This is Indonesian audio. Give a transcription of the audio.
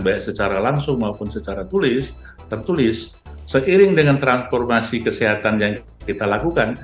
baik secara langsung maupun secara tulis tertulis seiring dengan transformasi kesehatan yang kita lakukan